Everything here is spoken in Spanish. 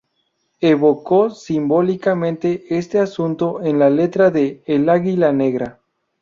Evocó simbólicamente este asunto en la letra de "El águila negra".